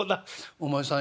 「お前さん